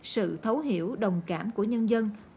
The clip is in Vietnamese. sự thấu hiểu đồng cảm của anh em là một lý do